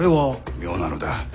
妙なのだ。